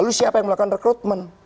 untuk melakukan pengkrotmen